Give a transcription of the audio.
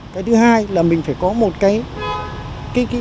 cái thứ hai là mình phải có một cái